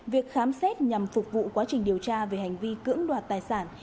việc khám xét nhằm phục vụ quá trình điều tra về hành vi cưỡng đoạt tài sản